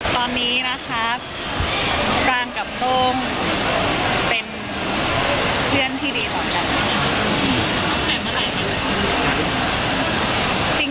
ตอนนี้นะครับปางกับโต้งเป็นเพื่อนที่ดีสองกัน